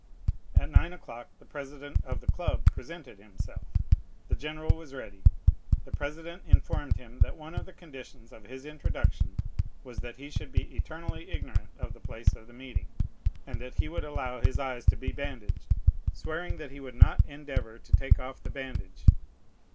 At nine o'clock the president of the club presented himself; the general was ready, the president informed him that one of the conditions of his introduction was that he should be eternally ignorant of the place of meeting, and that he would allow his eyes to be bandaged, swearing that he would not endeavor to take off the bandage.